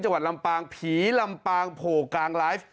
จังหวัดลำปางผีลำปางโผล่กลางไลฟ์